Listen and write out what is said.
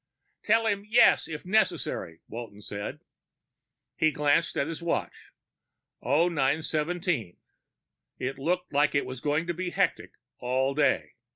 '" "Tell him yes, if necessary," Walton said. He glanced at his watch. 0917. It looked like it was going to be hectic all day.